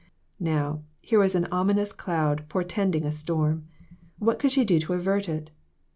Now, here was an ominous cloud portending a storm. What could she do to avert it